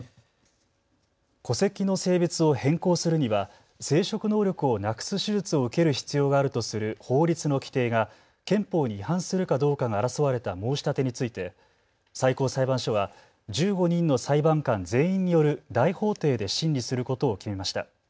戸籍の性別を変更するには生殖能力をなくす手術を受ける必要があるとする法律の規定が憲法に違反するかどうかが争われた申し立てについて最高裁判所は１５人の裁判官全員による大法廷で審理することを決めました。